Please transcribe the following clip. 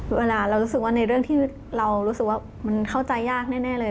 เวลาเรารู้สึกว่าในเรื่องที่เรารู้สึกว่ามันเข้าใจยากแน่เลย